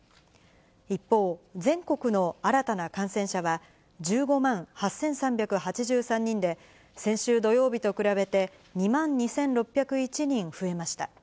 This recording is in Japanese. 一方、全国の新たな感染者は１５万８３８３人で、先週土曜日と比べて２万２６０１人増えました。